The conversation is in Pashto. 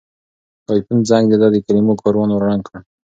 د آیفون زنګ د ده د کلمو کاروان ور ړنګ کړ.